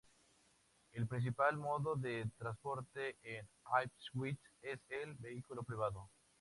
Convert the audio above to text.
El principal modo de transporte en Ipswich es el vehículo privado.